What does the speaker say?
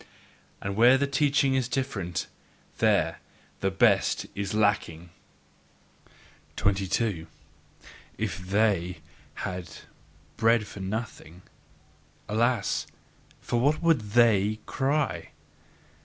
And where the teaching is different, there the best is LACKING. 22. If THEY had bread for nothing, alas! for what would THEY cry!